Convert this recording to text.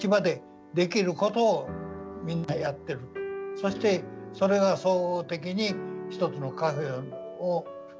そしてそれが総合的に一つのカフェを成してると。